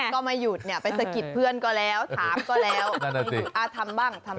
ก็ไม่หยุดเนี่ยไปสะกิดเพื่อนก็แล้วถามก็แล้วทำบ้างทำ